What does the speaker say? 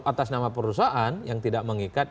atas nama perusahaan yang tidak mengikat